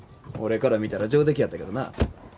俺から見たら上出来やったけどな。